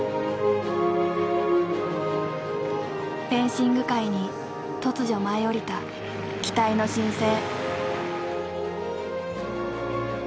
フェンシング界に突如舞い降りた「期待の新星」。